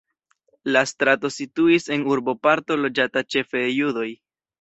La strato situis en urboparto loĝata ĉefe de judoj.